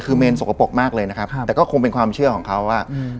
คือเมนสกปรกมากเลยนะครับครับแต่ก็คงเป็นความเชื่อของเขาว่าอืม